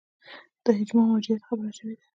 د اجماع موجودیت خبره شوې ده